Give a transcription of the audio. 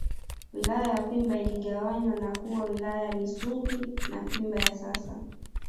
Wilaya ya Kwimba iligawanywa na kuwa Wilaya ya Misungwi na Kwimba ya sasa